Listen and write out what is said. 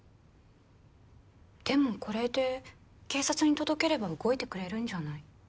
でもこれで警察に届ければ動いてくれるんじゃない？